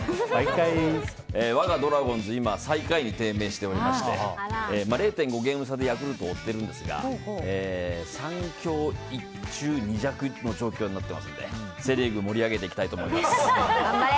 我がドラゴンズ、今最下位に低迷していまして０．５ゲーム差でヤクルトを追っているんですが３強１中２弱の状況になってますのでセ・リーグ盛り上げていきたいと思います。